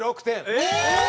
えっ！